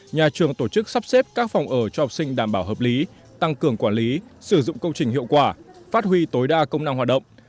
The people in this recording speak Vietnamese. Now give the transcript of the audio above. nhà trường tổ chức sắp xếp các phòng ở cho học sinh đảm bảo hợp lý tăng cường quản lý sử dụng công trình hiệu quả phát huy tối đa công năng hoạt động